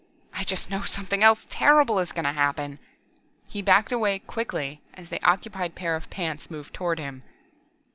"I just know something else terrible is going to happen!" He backed away quickly as the occupied pair of pants moved toward him.